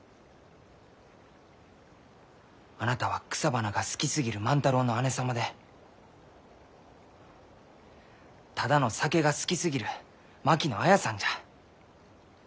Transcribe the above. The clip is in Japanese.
あなたは草花が好きすぎる万太郎の姉様でただの酒が好きすぎる槙野綾さんじゃ。